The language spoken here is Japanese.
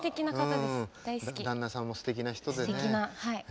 旦那さんもすてきな人でね。